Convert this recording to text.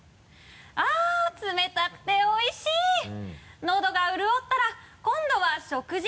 「あー冷たくておいしい」「のどが潤ったら、今度は食事」